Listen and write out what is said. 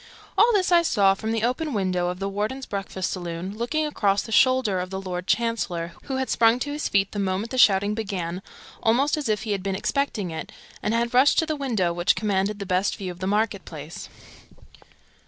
All this I saw from the open window of the Warden's breakfast saloon, looking across the shoulder of the Lord Chancellor, who had sprung to his feet the moment the shouting began, almost as if he had been expecting it, and had rushed to the window which commanded the best view of the market place.